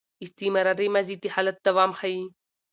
استمراري ماضي د حالت دوام ښيي.